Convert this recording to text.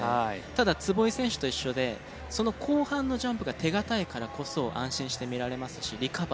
ただ壷井選手と一緒でその後半のジャンプが手堅いからこそ安心して見られますしリカバーできるんですよね。